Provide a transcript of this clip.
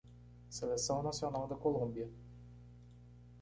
Seleção Nacional da Colômbia.